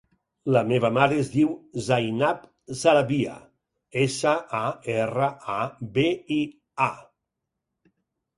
La meva mare es diu Zainab Sarabia: essa, a, erra, a, be, i, a.